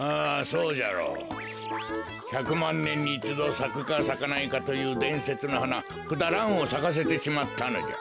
ひゃくまんねんにいちどさくかさかないかというでんせつのはなクダランをさかせてしまったのじゃ。